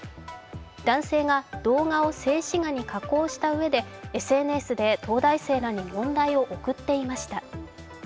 男性が動画を静止画に加工したうえでＳＮＳで東大生らに問題を送っていました。